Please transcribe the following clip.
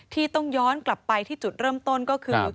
ที่ต้องย้อนกลับไปที่จุดเริ่มต้นก็คือ